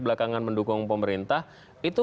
belakangan mendukung pemerintah itu